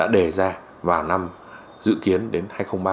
đề ra vào năm dự kiến đến hai nghìn ba mươi